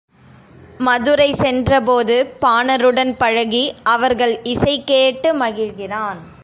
மதுரை சென்றபோது பாணருடன் பழகி அவர்கள் இசை கேட்டு மகிழ்கிறான்.